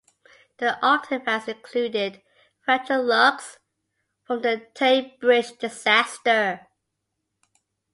The artefacts included fractured lugs from the Tay Bridge disaster.